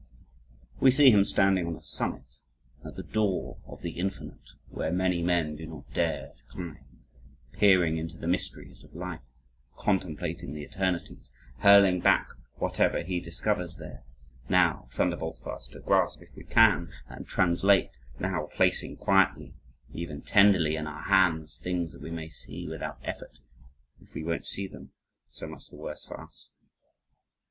We see him standing on a summit, at the door of the infinite where many men do not care to climb, peering into the mysteries of life, contemplating the eternities, hurling back whatever he discovers there, now, thunderbolts for us to grasp, if we can, and translate now placing quietly, even tenderly, in our hands, things that we may see without effort if we won't see them, so much the worse for us.